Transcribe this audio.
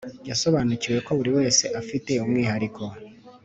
yasobanukiwe ko buri wese afite umwihariko